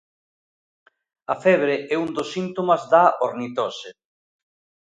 A febre é un dos síntomas da ornitose.